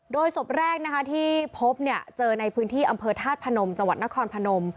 โดยศพแรกนะคะที่พบเนี่ยเจอในพื้นที่อำเภอธาตุพนมจังหวัดนครพนม